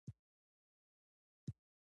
ورور یې په ټورنټو کې اوسي.